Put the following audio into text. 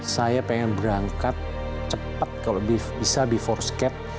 saya pengen berangkat cepat kalau bisa before skate